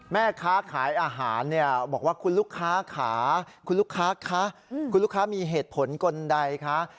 แม่ค้าขายอาหารบอกว่าคุณลูกค้าขาคุณลูกค้ามีเหตุผลกันใดคะ